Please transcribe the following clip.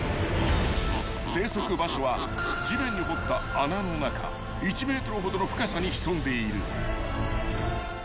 ［生息場所は地面に掘った穴の中１ｍほどの深さに潜んでいる］